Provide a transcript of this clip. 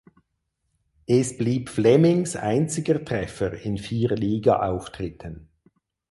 Es blieb Flemings einziger Treffer in vier Ligaauftritten.